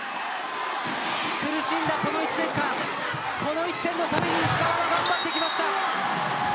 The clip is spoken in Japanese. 苦しんだこの１年間この１点のために石川は頑張ってきました。